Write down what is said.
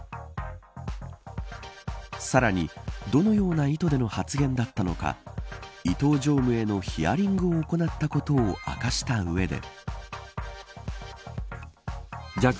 さらに、どのような意図での発言だったのか伊東常務へのヒアリングを行ったことを明かした上で。